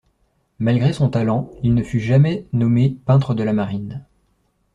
Malgré son talent, Il ne fut jamais nommé “Peintre de la Marine”